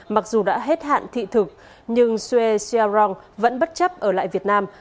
mặc dù đã hết hạn thị thực nhưng suez sialong vẫn bất chấp ở lại việt nam